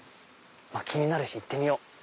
気になるし行ってみよう。